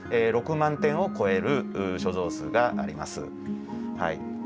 ６万点を超える所蔵数があります。